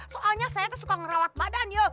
soalnya saya tuh suka ngerawat badan yo